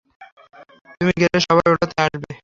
তুমি গেলে, সবাই ওটাতে আসবে।